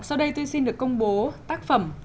sau đây tôi xin được công bố tác phẩm